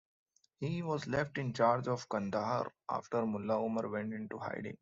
He was left in charge of Kandahar after Mullah Omar went into hiding.